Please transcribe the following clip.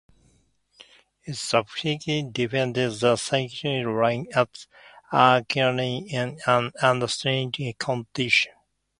It subsequently defended the Siegfried Line at Aachen in an understrength condition.